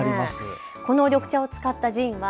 この緑茶を使ったジンは